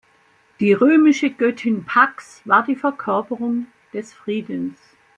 Die römische Göttin "Pax" war die Verkörperung des Friedens.